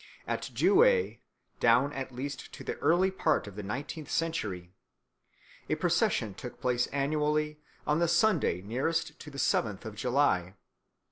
At Douay, down at least to the early part of the nineteenth century, a procession took place annually on the Sunday nearest to the seventh of July.